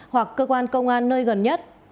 hoặc cơ quan công an nơi gần nhất